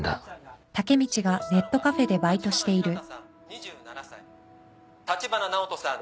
２７歳橘直人さん